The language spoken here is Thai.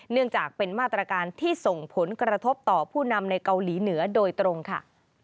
เนื่องจากเป็นมาตรการที่ส่งผลกระทบต่อผู้นำในเกาหลีเหนือโดยตรงค่ะ